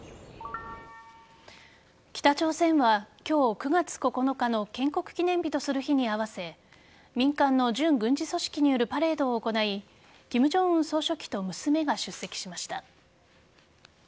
北朝鮮は今日９月９日の建国記念日とする日に合わせ民間の準軍事組織によるパレードを行い金正恩総書記と娘が出席しました。